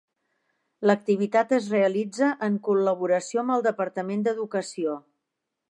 L'activitat es realitza en col·laboració amb el Departament d'Educació.